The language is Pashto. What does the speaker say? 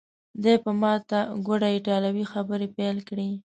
دی په ماته ګوډه ایټالوي خبرې پیل کړې.